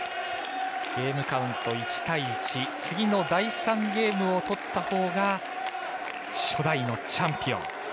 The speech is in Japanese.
ゲームカウント１対１次の第３ゲームをとったほうが初代のチャンピオン。